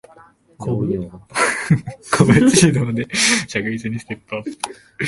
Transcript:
個別指導で着実にステップアップ